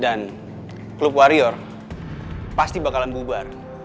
dan klub warior pasti bakalan bubar